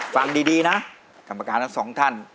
ฟังดีนะกรรมการทั้งสองท่าน